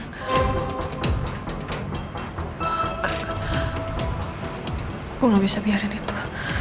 aku nggak bisa biarin itu